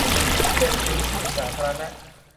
เป็นพื้นที่สาธารณะ